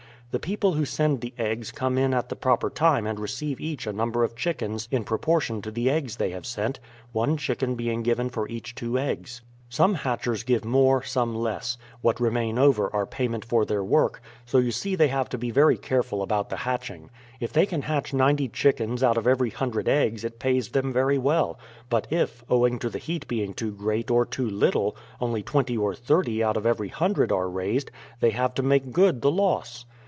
The people who send the eggs come in at the proper time and receive each a number of chickens in proportion to the eggs they have sent, one chicken being given for each two eggs. Some hatchers give more, some less; what remain over are payment for their work; so you see they have to be very careful about the hatching. If they can hatch ninety chickens out of every hundred eggs, it pays them very well; but if, owing to the heat being too great or too little, only twenty or thirty out of every hundred are raised, they have to make good the loss.